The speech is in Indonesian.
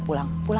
kalian pada pulang